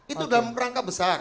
itu dalam rangka besar